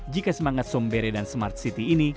jika semangat sombere dan smart city ini